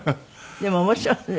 でも面白いのね。